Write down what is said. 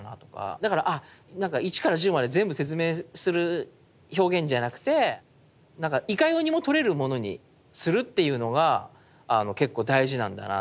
だから１から１０まで全部説明する表現じゃなくていかようにも取れるものにするっていうのが結構大事なんだなって思って。